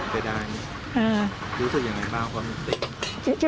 ก็ได้รู้สึกยังไงบ้างความรู้สึก